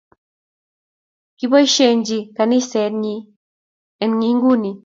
Kiboisyechin kanyaiset nyi en inguni.